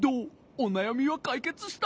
おなやみはかいけつした？